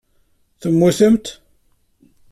Temmutemt?